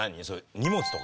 荷物とか？